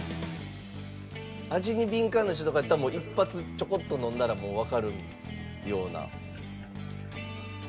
味に敏感な人とかやったらもう一発ちょこっと飲んだらもうわかるような。